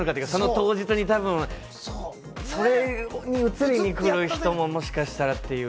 当日にそれに映りに来る人ももしかしたらという。